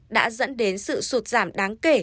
đã dẫn đến sự sụt giảm đáng kể